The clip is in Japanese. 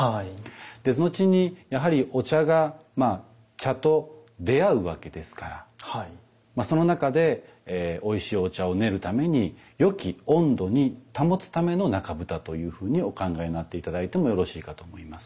茶と出会うわけですからその中でおいしいお茶を練るために良き温度に保つための中蓋というふうにお考えになって頂いてもよろしいかと思います。